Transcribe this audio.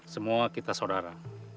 semua kita saudara